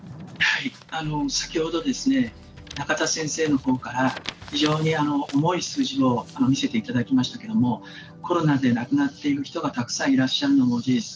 先ほど仲田先生のほうから非常に重い数字を見せていただきましたけれどもコロナで亡くなっている人がたくさんいらっしゃるのも事実。